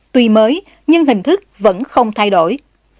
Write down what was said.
tuy mới nhưng hình thức vẫn không thay đổi